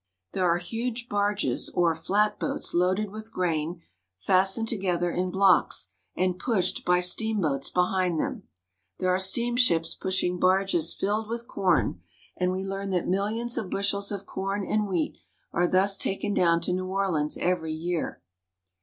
There are huge barges, or flatboats, loaded with grain, fastened together in blocks, and pushed by steamboats be hind them. There are steamships pushing barges filled with corn, and we learn that millions of bushels of corn and wheat are thus taken down to New Orleans every year.